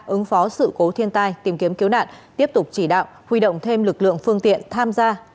ứng phó sự cố thiên tai tìm kiếm cứu nạn tiếp tục chỉ đạo huy động thêm lực lượng phương tiện tham gia